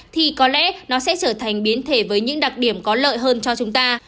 thì có lẽ nó sẽ trở thành biến thể với những đặc điểm có lợi hơn cho chúng ta